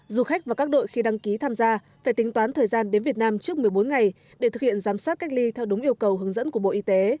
du khách và các đội khi đăng ký tham gia phải tính toán thời gian đến việt nam trước một mươi bốn ngày để thực hiện giám sát cách ly theo đúng yêu cầu hướng dẫn của bộ y tế